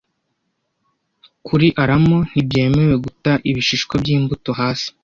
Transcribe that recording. Kuri Alamo ntibyemewe guta ibishishwa byimbuto hasi